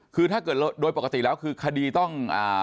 คือถ้าเกิดโดยปกติแล้วคือคดีต้อง